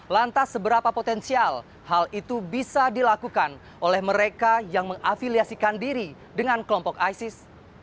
lantas seberapa potensial hal itu bisa dilakukan oleh mereka yang mengafiliasikan diri dengan kelompok isis